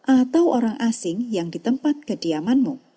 atau orang asing yang ditempat kediamanmu